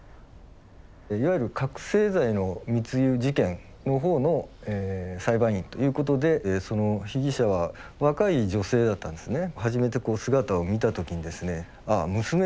いわゆる覚醒剤の密輸事件の方の裁判員ということでその被疑者は若い女性だったんですね。